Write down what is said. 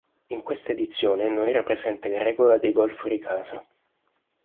In questa edizione non era presente la regola dei gol fuori casa.